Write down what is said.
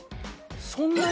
そんなに？